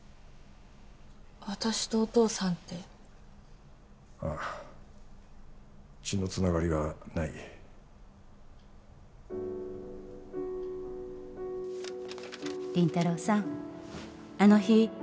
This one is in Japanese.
私とお父さんってああ血のつながりはない「林太郎さんあの日」